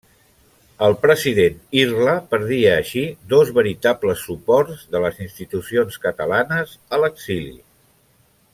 El president Irla perdia així dos veritables suports de les institucions catalanes a l'exili.